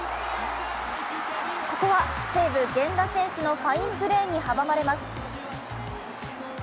ここは西武・源田選手のファインプレーに阻まれます。